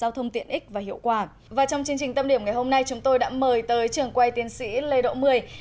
trong chương trình tâm điểm ngày hôm nay chúng tôi đã mời tới trường quay tiến sĩ lê độ mười